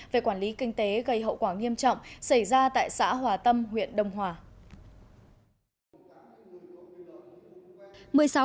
về quản lý kinh tế gây hậu quả nghiêm trọng xảy ra tại xã hòa tâm huyện đông hòa